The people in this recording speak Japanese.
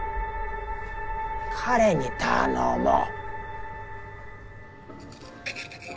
彼に頼もう。